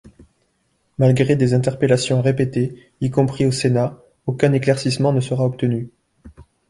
Malgré des interpellations répétées, y compris au Sénat, aucun éclaircissement ne sera obtenu.